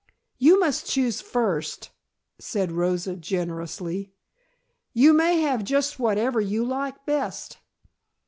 "You must choose first," said Rosa generously. "You may have just whatever you like best."